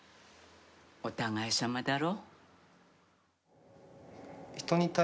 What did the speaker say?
お互いさまだろ。